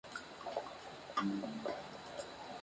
Puede ser extraído en las minas como mena del metal de plomo.